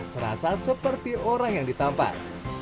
serasa seperti orang yang ditampar